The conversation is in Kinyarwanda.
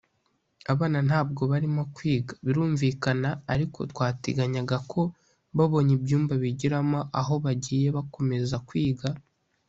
Abana ntabwo barimo kwiga birumvikana ariko twateganyaga ko babonye ibyumba bigiramo aho bagiye bakomeza kwiga”